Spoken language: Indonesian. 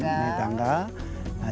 mereka naik tangga